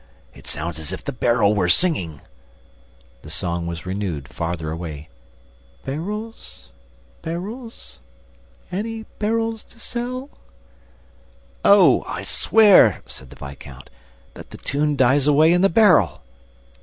It sounds as if the barrel were singing!" The song was renewed, farther away: "Barrels! ... Barrels! ... Any barrels to sell? ..." "Oh, I swear," said the viscount, "that the tune dies away in the barrel!